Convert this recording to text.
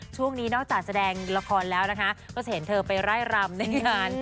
ช่วงนี้นอกจากแสดงละครแล้วนะคะก็จะเห็นเธอไปไล่รำในงาน